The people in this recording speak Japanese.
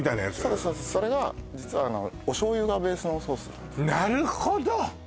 そうですそうですそれが実はお醤油がベースのソースなんですなるほど！